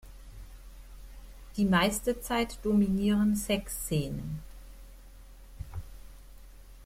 Die meiste Zeit dominieren Sexszenen.